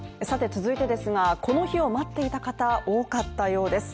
続いてですが、この日を待っていた方多かったようです。